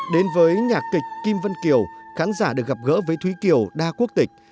đến với nhạc kịch kim vân kiều khán giả được gặp gỡ với thúy kiều đa quốc tịch